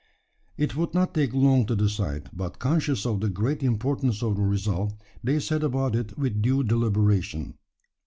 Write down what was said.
It would not take long to decide; but conscious of the great importance of the result, they set about it with due deliberation.